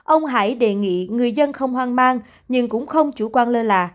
ông hải đề nghị người dân không hoang mang nhưng cũng không chủ quan lơ là